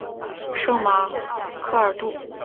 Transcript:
圣马尔克杜科。